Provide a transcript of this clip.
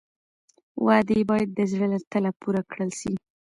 وعدې باید د زړه له تله پوره کړل شي.